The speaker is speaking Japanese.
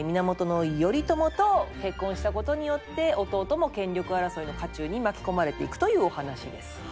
源頼朝と結婚したことによって弟も権力争いの渦中に巻き込まれていくというお話です。